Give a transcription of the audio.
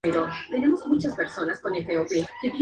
Una persona puede recibir el premio sólo una vez en su vida.